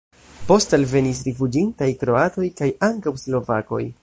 Poste alvenis rifuĝintaj kroatoj kaj ankaŭ slovakoj.